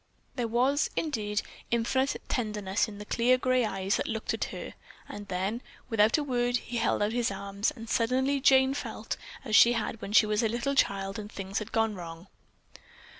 There was, indeed, infinite tenderness in the clear gray eyes that looked at her, and then, without a word, he held out his arms, and suddenly Jane felt as she had when she was a little child, and things had gone wrong.